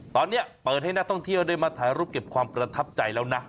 ตอนนี้เปิดให้นักท่องเที่ยวได้มาถ่ายรูปเก็บความประทับใจแล้วนะ